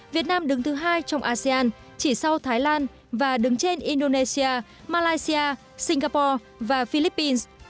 việt nam đứng thứ hai trong asean chỉ sau thái lan và đứng trên indonesia malaysia singapore và philippines